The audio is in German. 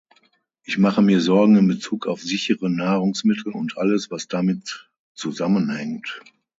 Ich mache mir Sorgen in bezug auf sichere Nahrungsmittel und alles, was damit zusammenhängt.